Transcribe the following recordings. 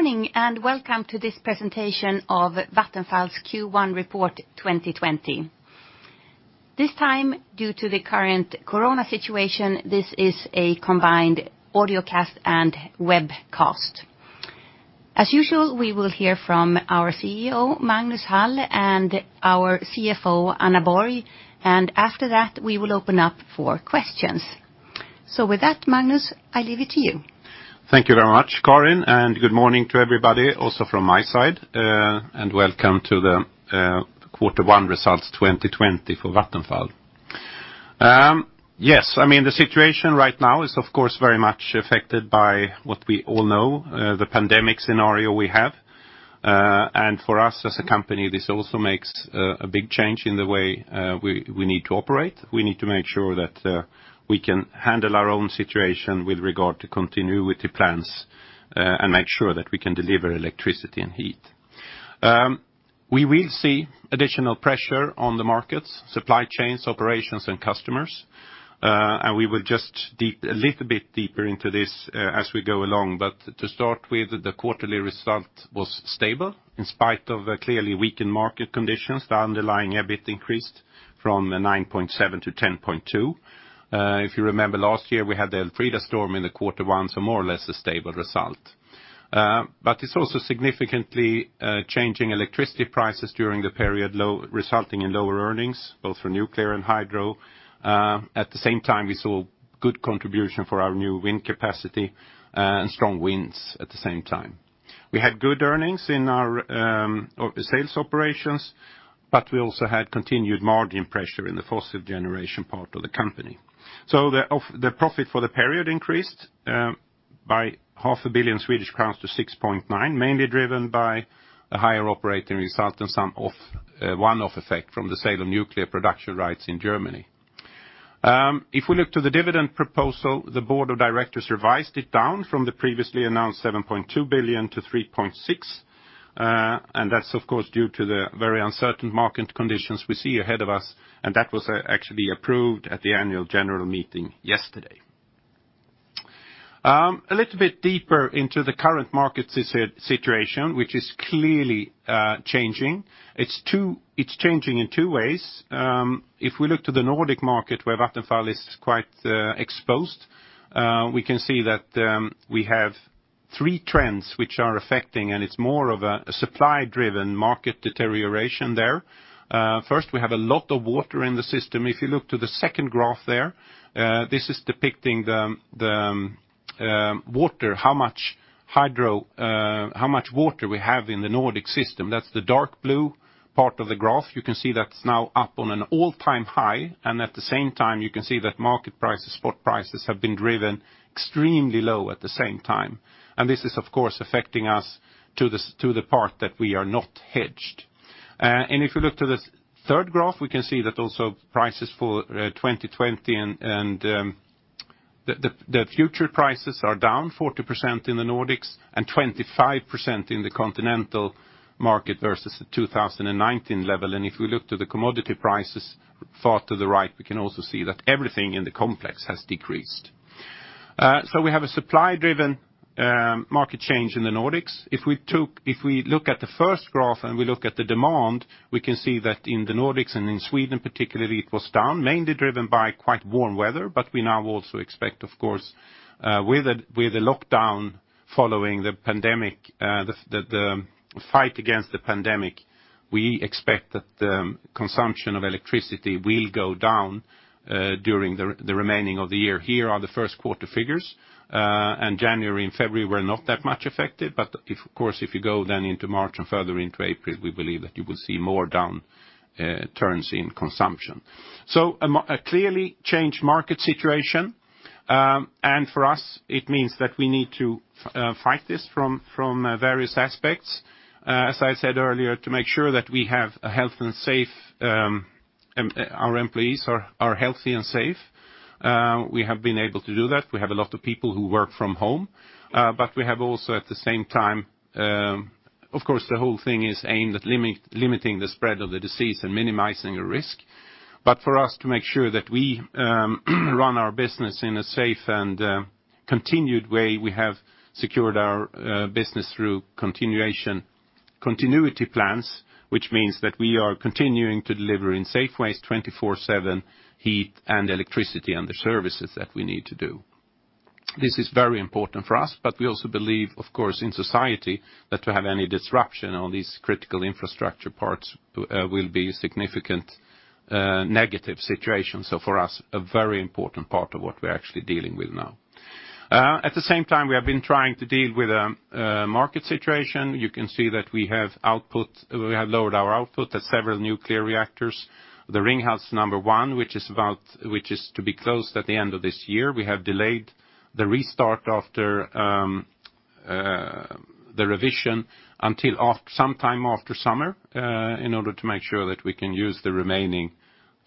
Good morning, welcome to this presentation of Vattenfall's Q1 Report 2020. This time, due to the current corona situation, this is a combined audio cast and webcast. As usual, we will hear from our CEO, Magnus Hall, and our CFO, Anna Borg, and after that, we will open up for questions. With that, Magnus, I leave it to you. Thank you very much, Karin. Good morning to everybody also from my side, welcome to the quarter one results 2020 for Vattenfall. Yes, the situation right now is, of course, very much affected by what we all know, the pandemic scenario we have. For us as a company, this also makes a big change in the way we need to operate. We need to make sure that we can handle our own situation with regard to continuity plans, and make sure that we can deliver electricity and heat. We will see additional pressure on the markets, supply chains, operations, and customers. We will just dig a little bit deeper into this, as we go along. To start with, the quarterly result was stable in spite of clearly weakened market conditions. The underlying EBIT increased from 9.7 to 10.2. If you remember last year, we had the Alfrida storm in the quarter one, so more or less a stable result. It's also significantly changing electricity prices during the period resulting in lower earnings, both for nuclear and hydro. At the same time, we saw good contribution for our new wind capacity and strong winds at the same time. We had good earnings in our sales operations, but we also had continued margin pressure in the fossil generation part of the company. The profit for the period increased by 500 million Swedish crowns to 6.9, mainly driven by a higher operating result and some one-off effect from the sale of nuclear production rights in Germany. If we look to the dividend proposal, the board of directors revised it down from the previously announced 7.2 billion to 3.6 billion. That's, of course, due to the very uncertain market conditions we see ahead of us. That was actually approved at the annual general meeting yesterday. A little bit deeper into the current market situation, which is clearly changing. It's changing in two ways. If we look to the Nordic market where Vattenfall is quite exposed, we can see that we have three trends which are affecting. It's more of a supply-driven market deterioration there. First, we have a lot of water in the system. If you look to the second graph there, this is depicting the water, how much water we have in the Nordic system. That's the dark blue part of the graph. You can see that's now up on an all-time high. At the same time, you can see that market prices, spot prices, have been driven extremely low at the same time. This is, of course, affecting us to the part that we are not hedged. If you look to the third graph, we can see that also prices for 2020 and the future prices are down 40% in the Nordics and 25% in the continental market versus the 2019 level. If we look to the commodity prices far to the right, we can also see that everything in the complex has decreased. We have a supply-driven market change in the Nordics. We look at the first graph and we look at the demand, we can see that in the Nordics and in Sweden particularly, it was down, mainly driven by quite warm weather, we now also expect, of course, with the lockdown following the fight against the pandemic, we expect that the consumption of electricity will go down during the remaining of the year. Here are the first quarter figures, January and February were not that much affected, of course, if you go then into March and further into April, we believe that you will see more downturns in consumption. A clearly changed market situation, for us, it means that we need to fight this from various aspects. As I said earlier, to make sure that our employees are healthy and safe. We have been able to do that. We have a lot of people who work from home. We have also at the same time, of course, the whole thing is aimed at limiting the spread of the disease and minimizing the risk. For us to make sure that we run our business in a safe and continued way, we have secured our business through continuity plans, which means that we are continuing to deliver in safe ways, 24/7, heat and electricity and the services that we need to do. This is very important for us, but we also believe, of course, in society, that to have any disruption on these critical infrastructure parts will be a significant negative situation. For us, a very important part of what we're actually dealing with now. At the same time, we have been trying to deal with a market situation. You can see that we have lowered our output at several nuclear reactors. The Ringhals 1, which is to be closed at the end of this year, we have delayed the restart after the revision until sometime after summer, in order to make sure that we can use the remaining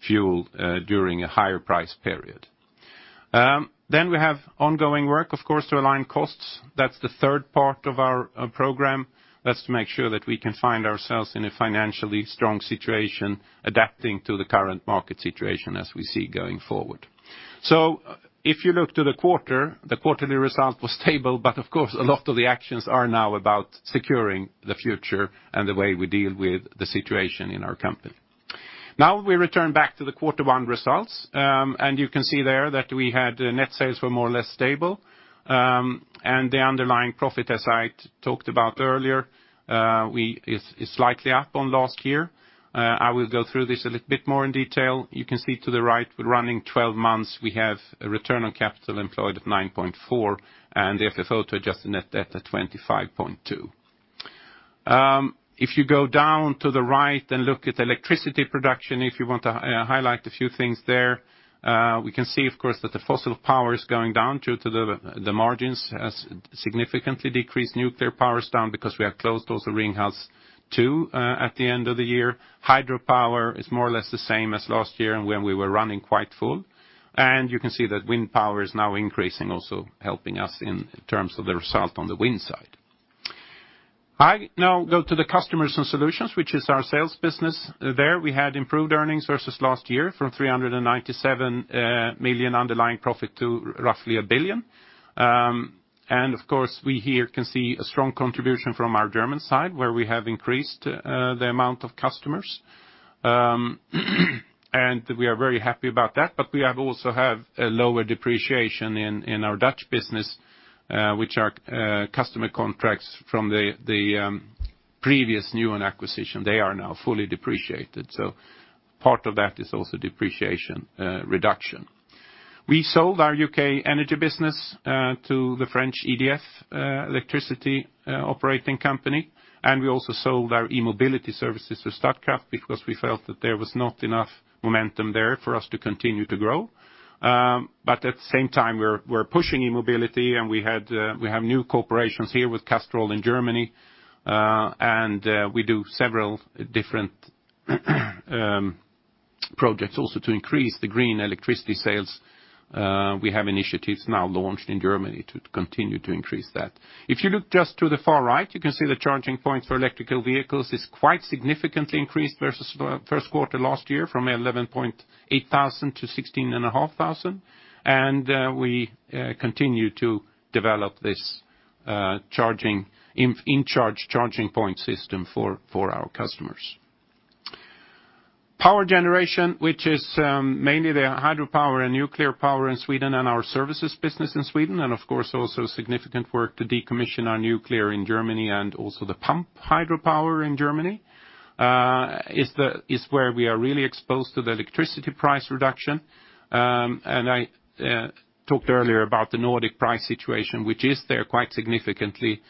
fuel, during a higher price period. We have ongoing work, of course, to align costs. That's the third part of our program. That's to make sure that we can find ourselves in a financially strong situation, adapting to the current market situation as we see going forward. If you look to the quarter, the quarterly result was stable, but of course, a lot of the actions are now about securing the future and the way we deal with the situation in our company. Now we return back to the quarter one results. You can see there that we had net sales were more or less stable. The underlying profit, as I talked about earlier, is slightly up on last year. I will go through this a little bit more in detail. You can see to the right, we're running 12 months. We have a Return on Capital Employed of 9.4 and the FFO to adjusted net debt at 25.2. If you go down to the right and look at electricity production, if you want to highlight a few things there, we can see, of course, that the fossil power is going down due to the margins has significantly decreased. Nuclear power is down because we have closed also Ringhals 2 at the end of the year. Hydropower is more or less the same as last year and when we were running quite full. You can see that wind power is now increasing, also helping us in terms of the result on the wind side. I now go to the customers and solutions, which is our sales business. There we had improved earnings versus last year from 397 million underlying profit to roughly 1 billion. Of course, we here can see a strong contribution from our German side, where we have increased the amount of customers. We are very happy about that, but we also have a lower depreciation in our Dutch business, which are customer contracts from the previous Nuon acquisition. They are now fully depreciated. Part of that is also depreciation reduction. We sold our U.K. energy business to the French EDF electricity operating company. We also sold our e-mobility services to Statkraft because we felt that there was not enough momentum there for us to continue to grow. At the same time, we're pushing e-mobility. We have new partnerships here with Castrol in Germany. We do several different projects also to increase the green electricity sales. We have initiatives now launched in Germany to continue to increase that. If you look just to the far right, you can see the charging points for electrical vehicles is quite significantly increased versus first quarter last year from 11,800 to 16,500 thousand. We continue to develop this InCharge charging point system for our customers. Power generation, which is mainly the hydropower and nuclear power in Sweden and our services business in Sweden, and of course, also significant work to decommission our nuclear in Germany and also the pump hydropower in Germany, is where we are really exposed to the electricity price reduction. I talked earlier about the Nordic price situation, which is there quite significantly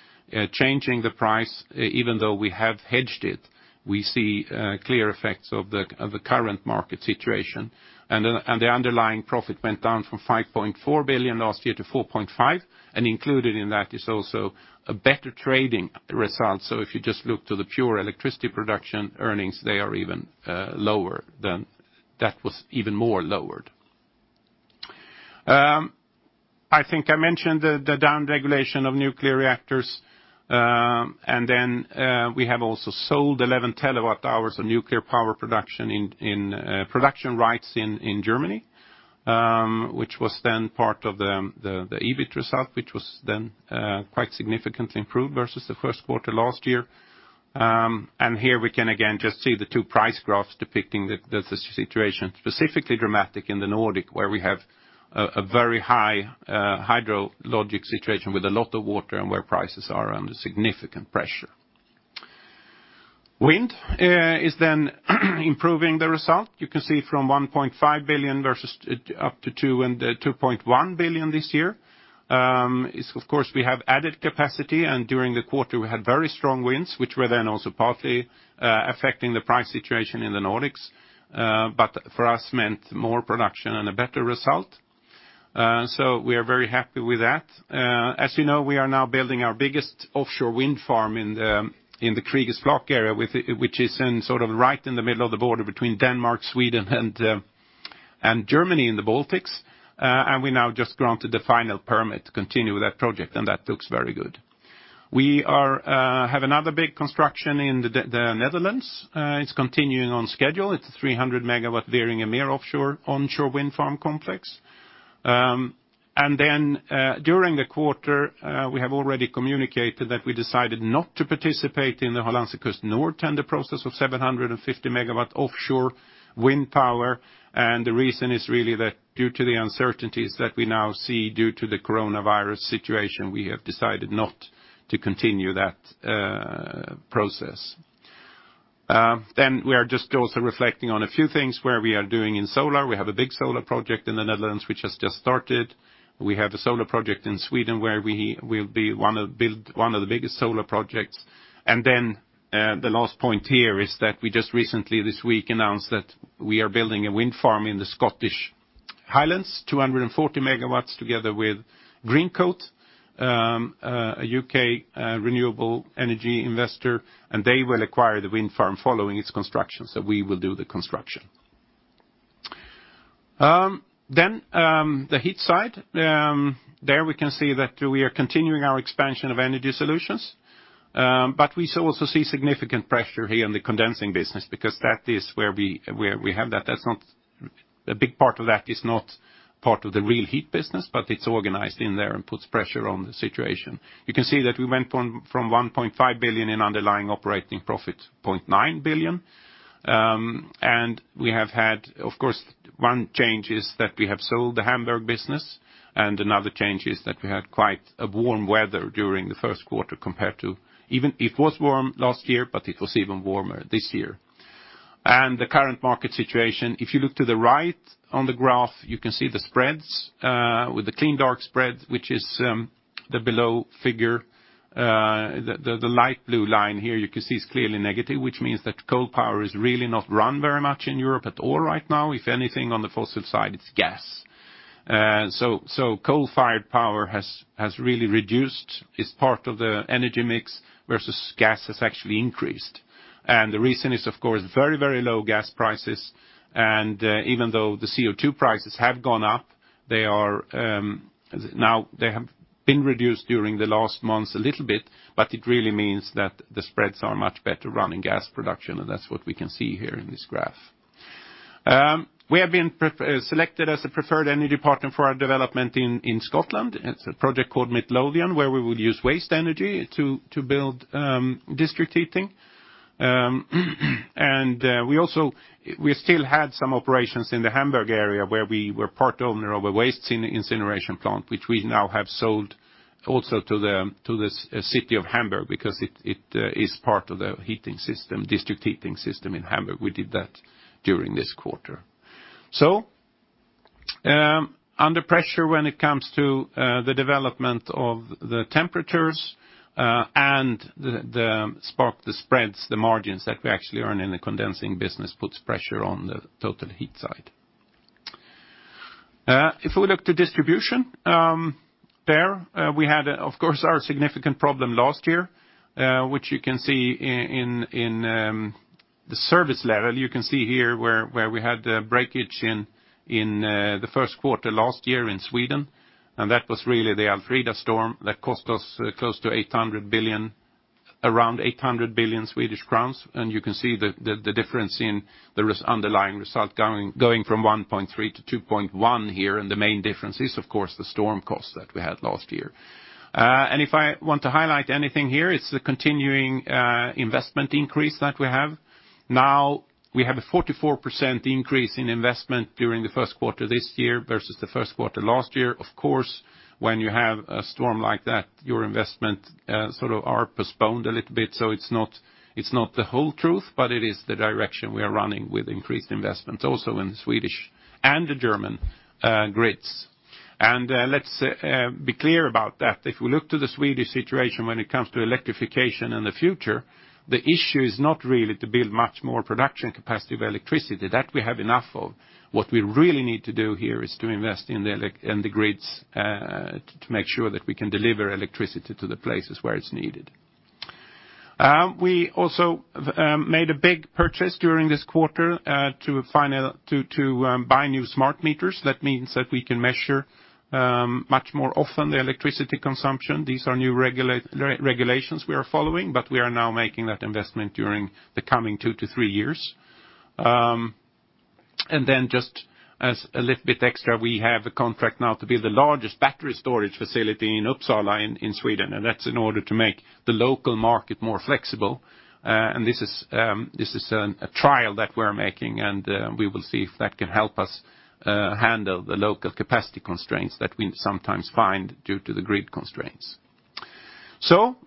changing the price, even though we have hedged it. We see clear effects of the current market situation. The underlying profit went down from 5.4 billion last year to 4.5 billion, and included in that is also a better trading result. If you just look to the pure electricity production earnings, they are even lower than that was even more lowered. I think I mentioned the down-regulation of nuclear reactors. We have also sold 11 TWh of nuclear power production in production rights in Germany, which was part of the EBIT result, which was quite significantly improved versus the first quarter last year. Here we can again just see the two price graphs depicting the situation, specifically dramatic in the Nordic, where we have a very high hydrologic situation with a lot of water and where prices are under significant pressure. Wind is improving the result. You can see from 1.5 billion versus up to 2.1 billion this year. Of course, we have added capacity. During the quarter, we had very strong winds, which were also partly affecting the price situation in the Nordics, but for us meant more production and a better result. We are very happy with that. As you know, we are now building our biggest offshore wind farm in the Kriegers Flak area, which is sort of right in the middle of the border between Denmark, Sweden, and Germany in the Baltics. We now just granted the final permit to continue with that project, and that looks very good. We have another big construction in the Netherlands. It's continuing on schedule. It's a 300 MW Wieringermeer onshore wind farm complex. During the quarter, we have already communicated that we decided not to participate in the Hollandse Kust Noord tender process of 750 MW offshore wind power. The reason is really that due to the uncertainties that we now see due to the coronavirus situation, we have decided not to continue that process. We are just also reflecting on a few things where we are doing in solar. We have a big solar project in the Netherlands, which has just started. We have a solar project in Sweden where we'll build one of the biggest solar projects. The last point here is that we just recently this week announced that we are building a wind farm in the Scottish Highlands, 240 MW, together with Greencoat, a U.K. renewable energy investor, and they will acquire the wind farm following its construction. We will do the construction. The heat side. There we can see that we are continuing our expansion of energy solutions. We also see significant pressure here in the condensing business because that is where we have that. A big part of that is not part of the real heat business, but it's organized in there and puts pressure on the situation. You can see that we went from 1.5 billion in underlying operating profit, 0.9 billion. We have had, of course, one change is that we have sold the Hamburg business, and another change is that we had quite a warm weather during the first quarter. It was warm last year, but it was even warmer this year. The current market situation, if you look to the right on the graph, you can see the spreads with the Clean Dark Spread, which is the below figure. The light blue line here you can see is clearly negative, which means that coal power is really not run very much in Europe at all right now. If anything on the fossil side, it's gas. Coal-fired power has really reduced its part of the energy mix, versus gas has actually increased. The reason is, of course, very, very low gas prices. Even though the CO2 prices have gone up, they have been reduced during the last months a little bit, but it really means that the spreads are much better running gas production, and that's what we can see here in this graph. We have been selected as a preferred energy partner for our development in Scotland. It's a project called Midlothian, where we will use waste energy to build district heating. We still had some operations in the Hamburg area where we were part owner of a waste incineration plant, which we now have sold also to the City of Hamburg because it is part of the district heating system in Hamburg. We did that during this quarter. Under pressure when it comes to the development of the temperatures, and the spreads, the margins that we actually earn in the condensing business puts pressure on the total heat side. If we look to distribution there, we had, of course, our significant problem last year, which you can see in the service level. You can see here where we had a breakage in the first quarter last year in Sweden, and that was really the Alfrida storm that cost us around 800 billion Swedish crowns. You can see the difference in the underlying result going from 1.3 to 2.1 here, and the main difference is, of course, the storm cost that we had last year. If I want to highlight anything here, it's the continuing investment increase that we have. Now, we have a 44% increase in investment during the first quarter this year versus the first quarter last year. Of course, when you have a storm like that, your investment sort of are postponed a little bit. It's not the whole truth, but it is the direction we are running with increased investment, also in the Swedish and the German grids. Let's be clear about that. If we look to the Swedish situation when it comes to electrification in the future, the issue is not really to build much more production capacity of electricity. That we have enough of. What we really need to do here is to invest in the grids to make sure that we can deliver electricity to the places where it's needed. We also made a big purchase during this quarter to buy new smart meters. That means that we can measure much more often the electricity consumption. These are new regulations we are following, but we are now making that investment during the coming two to three years. Then just as a little bit extra, we have a contract now to build the largest battery storage facility in Uppsala in Sweden, and that's in order to make the local market more flexible. This is a trial that we're making, and we will see if that can help us handle the local capacity constraints that we sometimes find due to the grid constraints.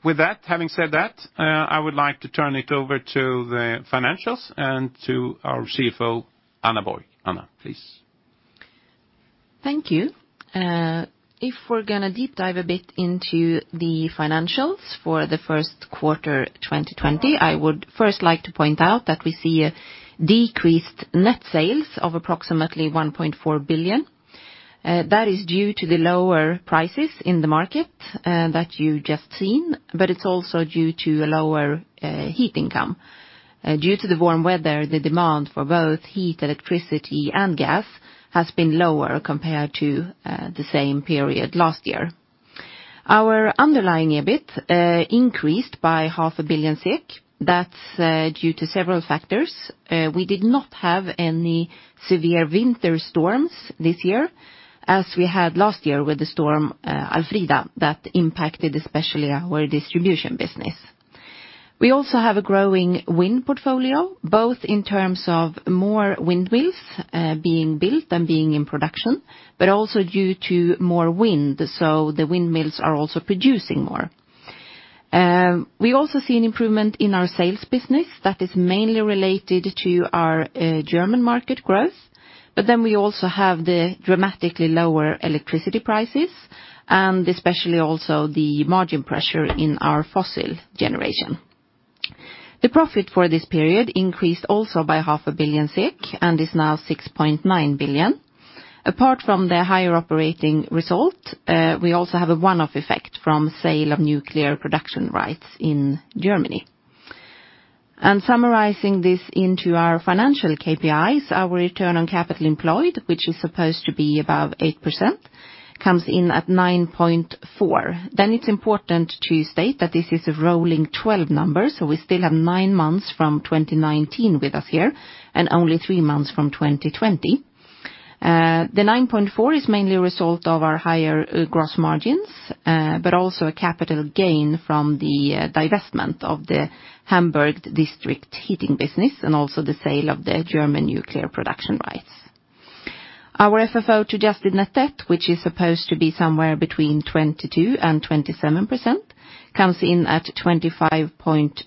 With having said that, I would like to turn it over to the financials and to our CFO, Anna Borg. Anna, please. Thank you. If we're going to deep dive a bit into the financials for the first quarter 2020, I would first like to point out that we see a decreased net sales of approximately 1.4 billion. That is due to the lower prices in the market that you've just seen, but it's also due to a lower heat income. Due to the warm weather, the demand for both heat, electricity and gas has been lower compared to the same period last year. Our underlying EBIT increased by 500 million SEK. That's due to several factors. We did not have any severe winter storms this year, as we had last year with the storm Alfrida that impacted especially our distribution business. We also have a growing wind portfolio, both in terms of more windmills being built and being in production, but also due to more wind. The windmills are also producing more. We also see an improvement in our sales business that is mainly related to our German market growth, but then we also have the dramatically lower electricity prices, and especially also the margin pressure in our fossil generation. The profit for this period increased also by 500 million and is now 6.9 billion. Apart from the higher operating result, we also have a one-off effect from sale of nuclear production rights in Germany. Summarizing this into our financial KPIs, our Return on Capital Employed, which is supposed to be above 8%, comes in at 9.4%. It's important to state that this is a rolling 12 number, so we still have nine months from 2019 with us here and only three months from 2020. The 9.4% is mainly a result of our higher gross margins, but also a capital gain from the divestment of the Hamburg district heating business and also the sale of the German nuclear production rights. Our FFO to adjusted net debt, which is supposed to be somewhere between 22% and 27%, comes in at 25.2%.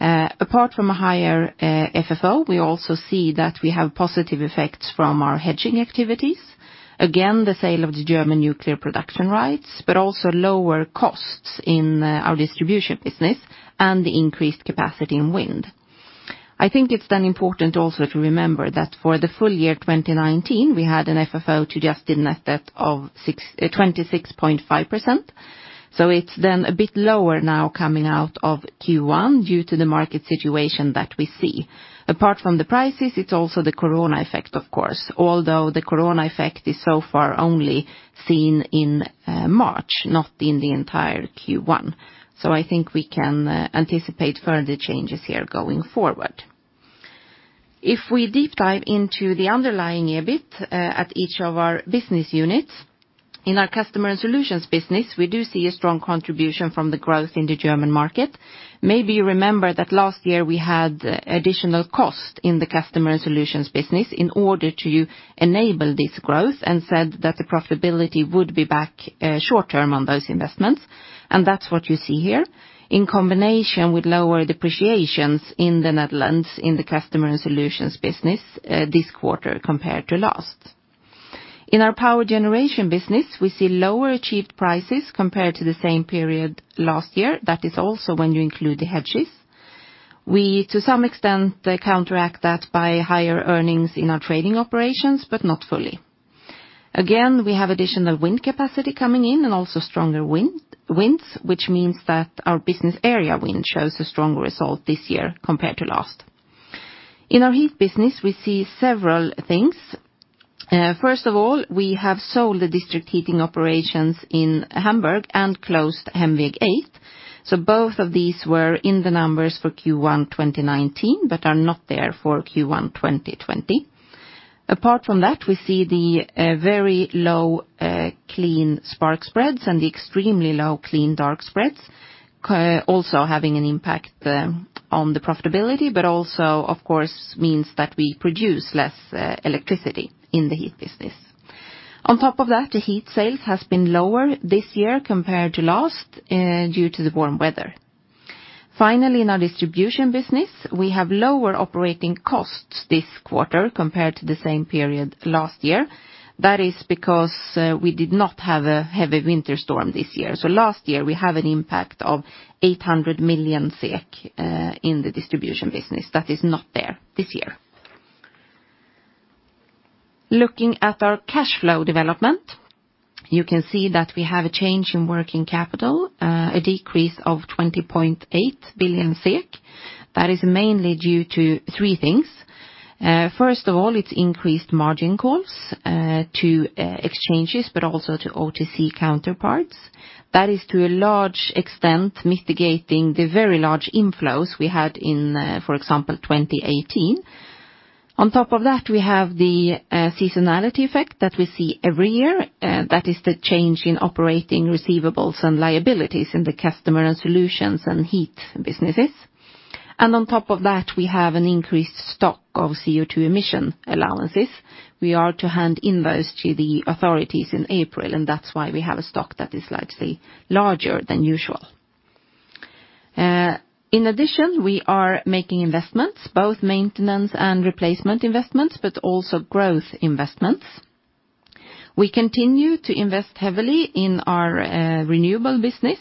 Apart from a higher FFO, we also see that we have positive effects from our hedging activities. Again, the sale of the German nuclear production rights, but also lower costs in our distribution business and the increased capacity in wind. I think it's then important also to remember that for the full year 2019, we had an FFO to adjusted net debt of 26.5%. It's then a bit lower now coming out of Q1 due to the market situation that we see. Apart from the prices, it's also the COVID-19 effect, of course, although the COVID-19 effect is so far only seen in March, not in the entire Q1. I think we can anticipate further changes here going forward. If we deep dive into the underlying EBIT at each of our business units, in our customer and solutions business, we do see a strong contribution from the growth in the German market. Maybe you remember that last year we had additional cost in the customer and solutions business in order to enable this growth, and said that the profitability would be back short-term on those investments. That's what you see here, in combination with lower depreciations in the Netherlands in the customer and solutions business this quarter compared to last. In our power generation business, we see lower achieved prices compared to the same period last year. That is also when you include the hedges. We, to some extent, counteract that by higher earnings in our trading operations, but not fully. Again, we have additional wind capacity coming in and also stronger winds, which means that our business area wind shows a strong result this year compared to last. In our heat business, we see several things. First of all, we have sold the district heating operations in Hamburg and closed Hemweg 8. Both of these were in the numbers for Q1 2019, but are not there for Q1 2020. Apart from that, we see the very low Clean Spark Spreads and the extremely low Clean Dark Spreads also having an impact on the profitability, but also, of course, means that we produce less electricity in the heat business. On top of that, the heat sales has been lower this year compared to last due to the warm weather. Finally, in our distribution business, we have lower operating costs this quarter compared to the same period last year. That is because we did not have a heavy winter storm this year. Last year, we have an impact of 800 million SEK in the distribution business that is not there this year. Looking at our cash flow development, you can see that we have a change in working capital, a decrease of 20.8 billion SEK. That is mainly due to three things. First of all, it's increased margin calls to exchanges, but also to OTC counterparts. That is to a large extent mitigating the very large inflows we had in, for example, 2018. On top of that, we have the seasonality effect that we see every year. That is the change in operating receivables and liabilities in the customer and solutions and heat businesses. On top of that, we have an increased stock of CO2 emission allowances. We are to hand in those to the authorities in April, and that's why we have a stock that is slightly larger than usual. In addition, we are making investments, both maintenance and replacement investments, but also growth investments. We continue to invest heavily in our renewable business.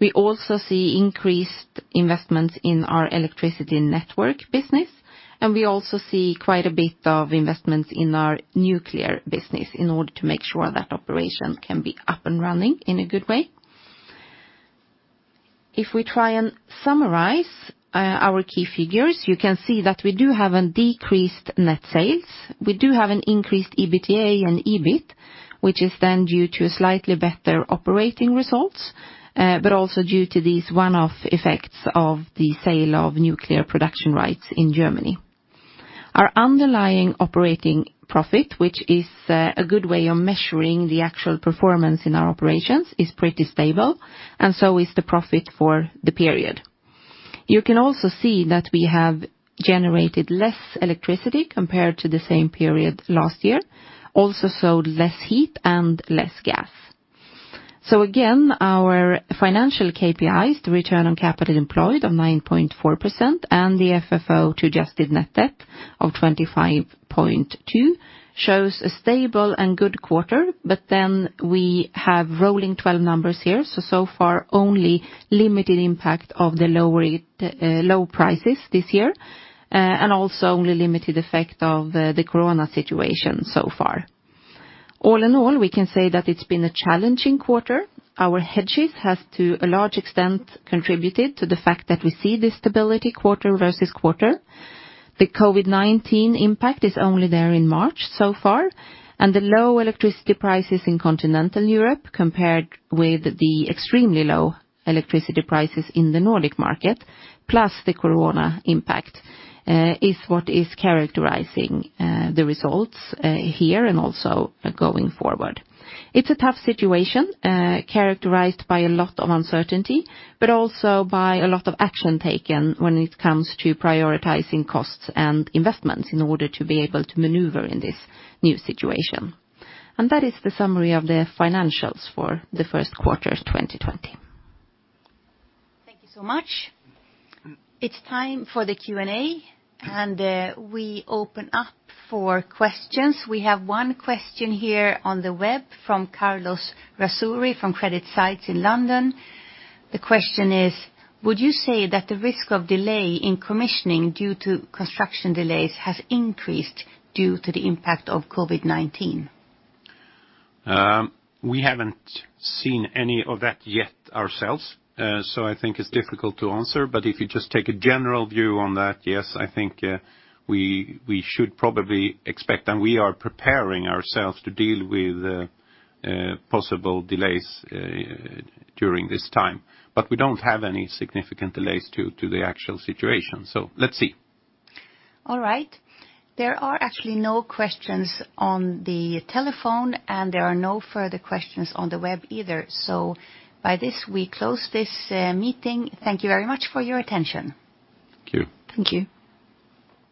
We also see increased investments in our electricity network business, and we also see quite a bit of investments in our nuclear business in order to make sure that operation can be up and running in a good way. If we try and summarize our key figures, you can see that we do have a decreased net sales. We do have an increased EBITDA and EBIT, which is then due to slightly better operating results, but also due to these one-off effects of the sale of nuclear production rights in Germany. Our underlying operating profit, which is a good way of measuring the actual performance in our operations, is pretty stable, and so is the profit for the period. You can also see that we have generated less electricity compared to the same period last year, also sold less heat and less gas. Again, our financial KPIs, the Return on Capital Employed of 9.4% and the FFO to adjusted net debt of 25.2%, shows a stable and good quarter. We have rolling 12 numbers here. So far, only limited impact of the low prices this year, and also only limited effect of the Corona situation so far. All in all, we can say that it's been a challenging quarter. Our hedges has, to a large extent, contributed to the fact that we see this stability quarter-over-quarter. The COVID-19 impact is only there in March so far, the low electricity prices in continental Europe compared with the extremely low electricity prices in the Nordic market, plus the corona impact, is what is characterizing the results here and also going forward. It's a tough situation characterized by a lot of uncertainty, but also by a lot of action taken when it comes to prioritizing costs and investments in order to be able to maneuver in this new situation. That is the summary of the financials for the first quarter 2020. Thank you so much. It's time for the Q&A, and we open up for questions. We have one question here on the web from Carlos Razuri from CreditSights in London. The question is: Would you say that the risk of delay in commissioning due to construction delays has increased due to the impact of COVID-19? We haven't seen any of that yet ourselves, so I think it's difficult to answer. If you just take a general view on that, yes, I think we should probably expect, and we are preparing ourselves to deal with possible delays during this time. We don't have any significant delays to the actual situation. Let's see. All right. There are actually no questions on the telephone. There are no further questions on the web either. By this, we close this meeting. Thank you very much for your attention. Thank you. Thank you.